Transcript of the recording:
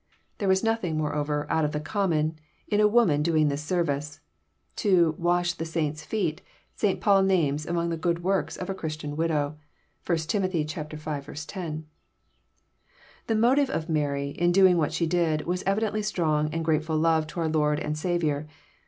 There was nothing, moreover, out of the common way in a woman doing this service. To ^* wash the saints' feet," St. Paul names among the good works of a Christian widow. (1 Tim. V. 10.) The motive of Mary, in doing what she did, was evidently strong and grateftil love to her liOrd and Saviour.